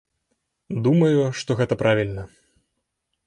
Думаю, што гэта правільна.